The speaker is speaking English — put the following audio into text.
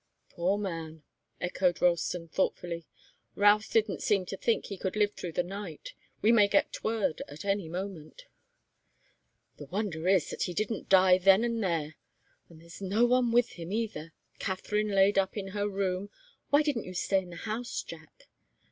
"Poor man!" echoed Ralston, thoughtfully. "Routh didn't seem to think he could live through the night. We may get word at any moment." "The wonder is that he didn't die then and there. And there's no one with him, either Katharine laid up in her room why didn't you stay in the house, Jack?"